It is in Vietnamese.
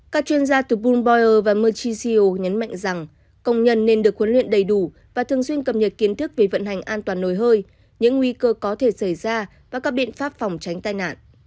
các chuyên gia từ bloomberg merchantsio nhấn mạnh rằng công nhân nên được huấn luyện đầy đủ và thường xuyên cập nhật kiến thức về vận hành an toàn nổi hơi những nguy cơ có thể xảy ra và các biện pháp phòng tránh tai nạn